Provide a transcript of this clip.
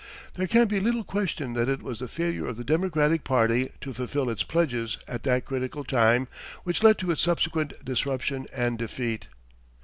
There can be little question that it was the failure of the Democratic party to fulfil its pledges at that critical time which led to its subsequent disruption and defeat.